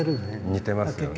似てますよね。